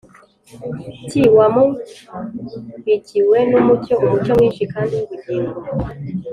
t wamurikiwe n’umucyo, umucyo mwinshi kandi w’ubugingo